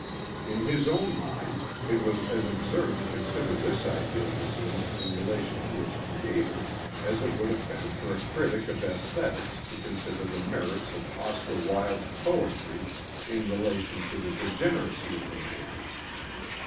In his own mind it was as absurd to consider this ideal Basine in relation to its creator as it would have been for a critic of æsthetics to consider the merits of Oscar Wilde's poetry in relation to the degeneracy of the man.